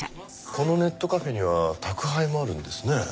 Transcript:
このネットカフェには宅配もあるんですね。